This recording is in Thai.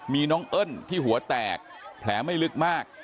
มีน้องเอิ้นที่หัวแตกแผลไม่ลึกมาก